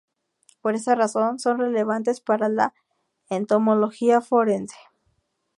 Por esa razón, son relevantes para la entomología forense.